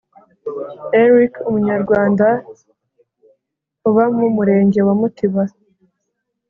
Eric Umunyarwanda uba mu Murenge wa mutiba